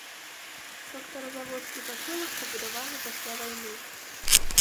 Трактаразаводскі пасёлак пабудаваны пасля вайны.